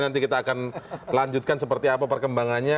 nanti kita akan lanjutkan seperti apa perkembangannya